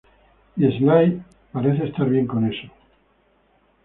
Y Sly parece estar bien con eso".